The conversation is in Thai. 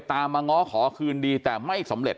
ตามมาง้อขอคืนดีแต่ไม่สำเร็จ